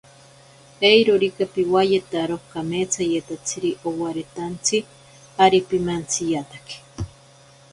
Eirorika piwayetaro kametsayetatsiri obaretantsi, ari pimantsiyatake.